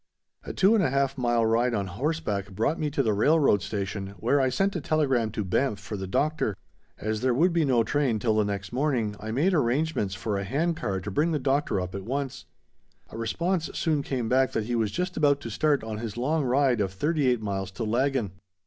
A two and a half mile ride on horseback brought me to the railroad station, where I sent a telegram to Banff for the Doctor. As there would be no train till the next morning I made arrangements for a hand car to bring the Doctor up at once. A response soon came back that he was just about to start on his long ride of thirty eight miles to Laggan.